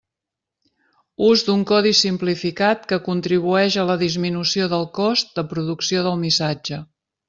Ús d'un codi simplificat que contribueix a la disminució del cost de producció del missatge.